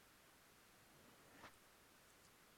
Firmó un contrato por dos temporadas.